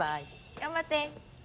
頑張って。